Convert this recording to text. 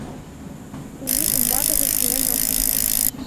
Улю умбакыже шуен ок мошто.